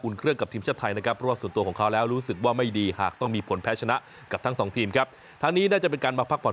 ทุกเกมก็จะค่อยเล่นเป็นเกมไป